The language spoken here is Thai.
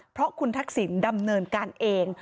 เพราะคุณทักษิณดำเนินการเอง